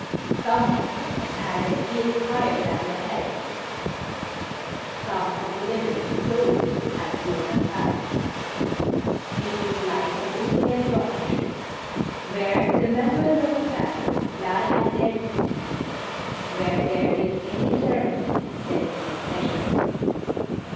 Some of the men had their heels higher than their heads, some of the women's clothes had blown aside; it was like an open air dormitory, where the members of a family lie at their ease ; where there is any ceremony, there is no pleasure.